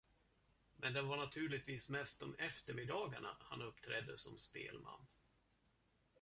Men det var naturligtvis mest om eftermiddagarna han uppträdde som spelman.